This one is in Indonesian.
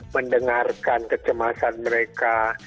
mendengarkan kecemasan mereka